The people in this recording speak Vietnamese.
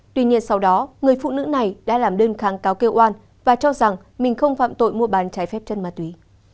tuy nhiên sau đó người phụ nữ này đã làm đơn kháng cáo kêu oan và cho rằng mình không phạm tội mua bán trái phép chân ma túy